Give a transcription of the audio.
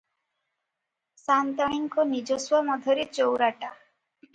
ସାଆନ୍ତାଣିଙ୍କ ନିଜସ୍ୱ ମଧ୍ୟରେ ଚଉରାଟା ।